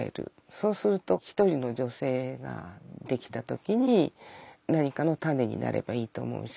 そうすると１人の女性ができた時に何かの種になればいいと思うし。